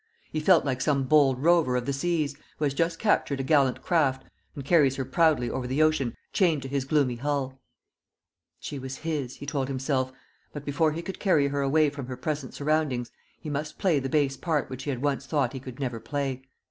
He felt like some bold rover of the seas, who has just captured a gallant craft, and carries her proudly over the ocean chained to his gloomy hull. She was his, he told himself; but before he could carry her away from her present surroundings he must play the base part which he had once thought he never could play.